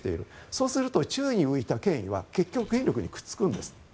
そうすると、宙に浮いた権威は結局権力にくっつくんです。